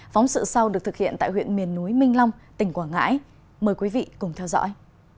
phóng sự sau được thực hiện tại huyện miền núi minh long tỉnh quảng ngãi mời quý vị cùng theo dõi